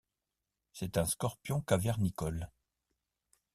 C'est un scorpion cavernicole.